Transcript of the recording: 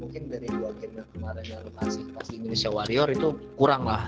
mungkin dari gue akhirnya kemarin yang kasih pas di indonesia warrior itu kurang lah